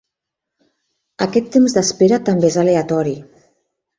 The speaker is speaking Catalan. Aquest temps d'espera també és aleatori.